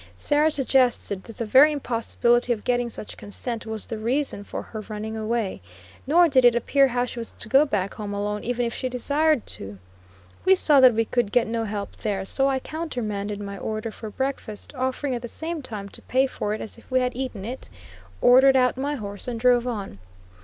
Sarah suggested that the very impossibility of getting such consent was the reason for her running away; nor did it appear how she was to go back home alone even if she desired to. We saw that we could get no help there, so I countermanded my order for breakfast, offering at the same time to pay for it as if we had eaten it, ordered out my horse and drove on.